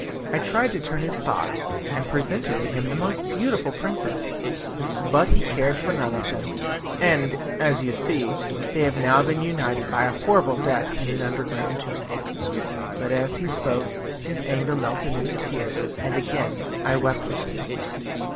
I tried to turn his thoughts, and presented to him the most beautiful princesses, but he cared for none of them, and, as you see, they have now been united by a horrible death in an underground tomb." But, as he spoke, his anger melted into tears, and again I wept with him.